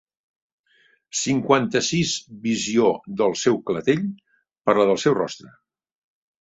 Cinquanta-sis visió del seu clatell per la del seu rostre.